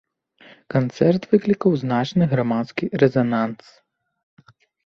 Канцэрт выклікаў значны грамадскі рэзананс.